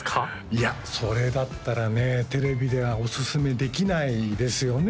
いやそれだったらねテレビではおすすめできないですよね